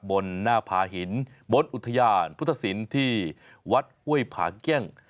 บนหน้าผาหินบนอุทยานพุทธศิลป์ที่วัดห้วยผาเกี้ยง